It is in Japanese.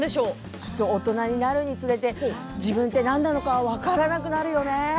大人になるにつれて自分って何なのか分からなくなるよね。